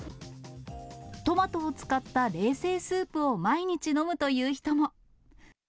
トマトを使った冷製スープを毎日飲むという人も。